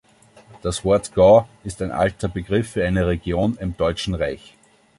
Das Wort Gau ist ein alter Begriff für eine Region im Deutschen Reich.